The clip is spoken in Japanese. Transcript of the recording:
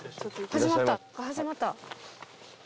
始まった。